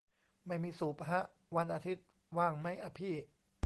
ไม่มีสูบฮะ วันอาทิตย์ว่างมั้ยอะพี่